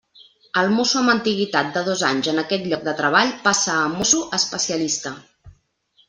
El mosso amb antiguitat de dos anys en aquest lloc de treball passa a mosso especialista.